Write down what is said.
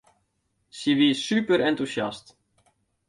Sy wie superentûsjast.